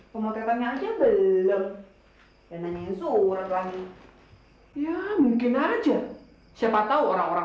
pemotretannya aja belum dan nanyain seukuran lagi ya mungkin aja siapa tahu orang orang